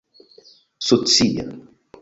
socia